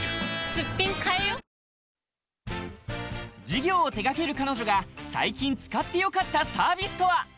事業を手がける彼女が最近使ってよかったサービスとは？